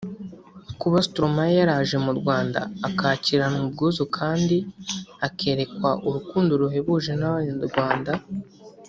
Kuba Stromae yaraje mu Rwanda akakiranwa ubwuzu kandi akerekwa urukundo ruhebuje n’abanyarwanda